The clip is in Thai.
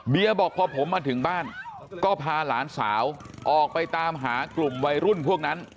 บอกพอผมมาถึงบ้านก็พาหลานสาวออกไปตามหากลุ่มวัยรุ่นพวกนั้น